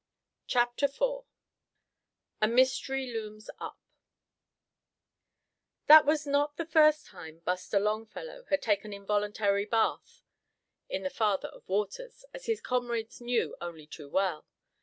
CHAPTER IV A MYSTERY LOOMS UP That was not the first time Buster Longfellow had taken an involuntary bath in the Father of Waters, as his comrades knew only too well.